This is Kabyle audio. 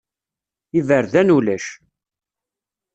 Iberdan ulac.